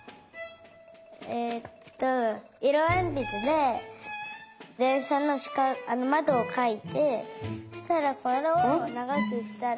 えっといろえんぴつででんしゃのまどをかいてしたらこれをながくしたら。